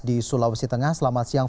di sulawesi tengah selamat siang